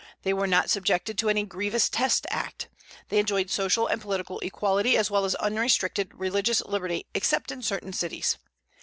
They were not subjected to any grievous test act. They enjoyed social and political equality, as well as unrestricted religious liberty, except in certain cities.